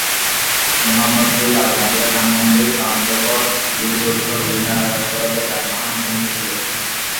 Mohammadpur, Lalmatia, Dhanmondi, Panthapath, Green রোডসহ বিভিন্ন এলাকার সড়কে যানবাহন থমকে ছিল।